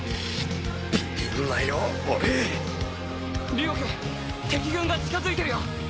龍吾君敵群が近づいてるよ。